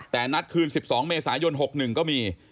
แต่นัดคืน๑๒เมษายน๖๑ก็มี